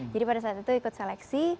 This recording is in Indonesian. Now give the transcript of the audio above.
jadi pada saat itu ikut seleksi